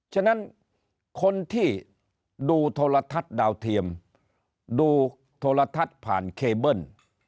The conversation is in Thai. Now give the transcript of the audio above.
ฉะนั้นคนที่ดูโทรทัศน์ดาวเทียมดูโทรทัศน์ผ่านเคเบิ้ล